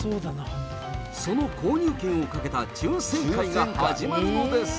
その購入券をかけた抽せん会が始まるのです。